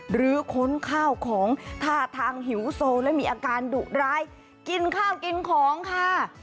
ค้นข้าวของท่าทางหิวโซและมีอาการดุร้ายกินข้าวกินของค่ะ